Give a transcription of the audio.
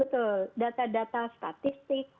betul data data statistik